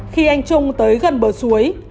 khi anh trung tới gần bờ suối